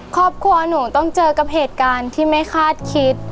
ครอบครัวหนูต้องเจอกับเหตุการณ์ที่ไม่คาดคิด